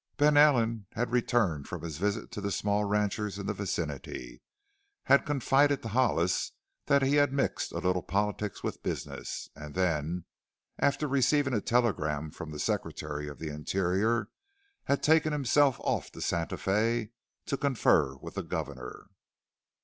Ben Allen had returned from his visit to the small ranchers in the vicinity, had confided to Hollis that he had "mixed a little politics with business," and then, after receiving a telegram from the Secretary of the Interior, had taken himself off to Santa Fe to confer with the governor.